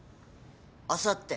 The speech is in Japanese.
あさって